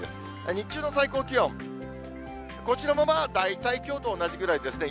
日中の最高気温、こちらもまあ、大体、きょうと同じぐらいですね。